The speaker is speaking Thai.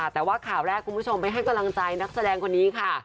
แต่ว่าข่าวแรกคุณผู้ชมไปให้กำลังใจนักแสดงคนนี้ค่ะ